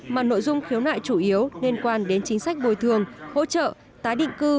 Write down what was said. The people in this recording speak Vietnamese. mà nội dung khiếu nại chủ yếu liên quan đến chính sách bồi thường hỗ trợ tái định cư